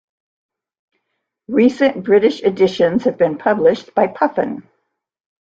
Recent British editions have been published by Puffin.